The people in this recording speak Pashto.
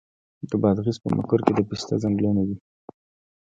د بادغیس په مقر کې د پسته ځنګلونه دي.